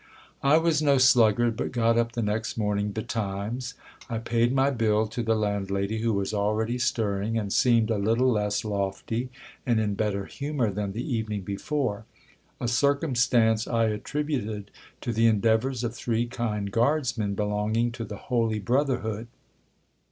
I was no sluggard, but got up the next morning betimes. I paid my bill to the landlady, who was already stirring, and seemed a little less lofty and in better humour than the evening before ; a circumstance I attributed to the en deavours of three kind guardsmen belonging to the holy brotherhood.